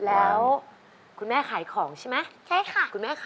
แล้วน้องใบบัวร้องได้หรือว่าร้องผิดครับ